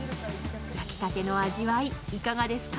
焼きたての味わい、いかがですか？